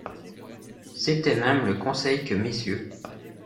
C’était même le conseil que Mrs.